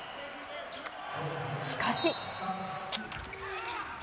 しかし。